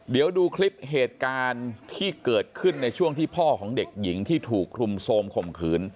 เดี๋ยวดูคลิปเหตุการณ์ที่เกิดขึ้นในช่วงที่พ่อของเด็กหญิงที่ถูกคลุมโทรมข่มขืน